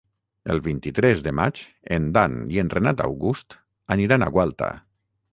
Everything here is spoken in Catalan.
El vint-i-tres de maig en Dan i en Renat August aniran a Gualta.